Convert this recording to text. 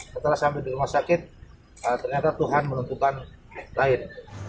setelah sampai di rumah sakit ternyata tuhan menentukan lain